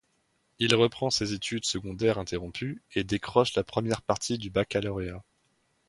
Il reprend ses études secondaires interrompues et décroche la première partie du baccalauréat.